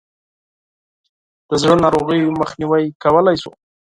د زړه ناروغیو مخنیوی کولای شو.